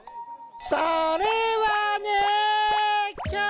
それはね。